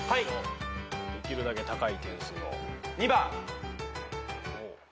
できるだけ高い点数を。